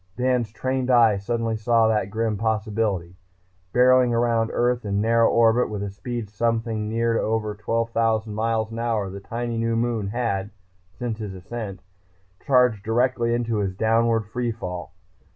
Dan's trained eye suddenly saw that grim possibility. Barreling around Earth in a narrow orbit with a speed of something near or over 12,000 miles an hour the tiny new moon had, since his ascent, charged directly into his downward free fall.